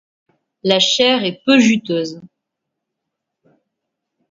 La chair est peu juteuse.